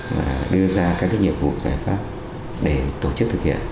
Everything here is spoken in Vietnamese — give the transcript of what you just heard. và đưa ra các nhiệm vụ giải pháp để tổ chức thực hiện